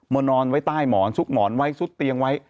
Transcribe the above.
นอนไว้ใต้หมอนซุกหมอนไว้ซุดเตียงไว้